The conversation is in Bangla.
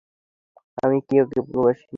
আমি কি ওকে ভালোবাসিনি?